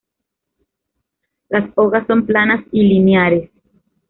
Las hojas son planas y lineares.